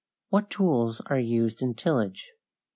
What tools are used in tillage?